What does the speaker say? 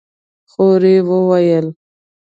خور يې وويل: